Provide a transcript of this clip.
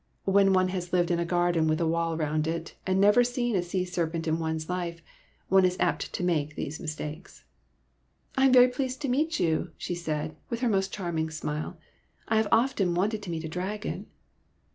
When one has lived in a gar den with a wall round it and never seen a sea serpent in one s life, one is apt to make these mistakes. '' I am very pleased to meet you," she said, with her most charming smile ;'' I have often wanted to meet a dragon."